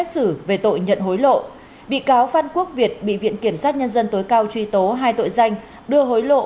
xét xử về tội nhận hối lộ bị cáo phan quốc việt bị viện kiểm sát nhân dân tối cao truy tố hai tội danh đưa hối lộ